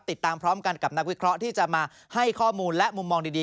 ติดตามพร้อมกันกับนักวิเคราะห์ที่จะมาให้ข้อมูลและมุมมองดี